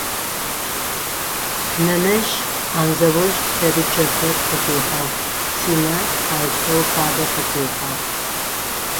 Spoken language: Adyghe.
Нэнэжъ Андзаур лъэрычъэхэр къыфихьыгъ, Симэ палътэу фабэ къыфихьыгъ.